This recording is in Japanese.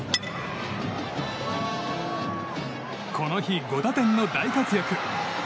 この日、５打点の大活躍。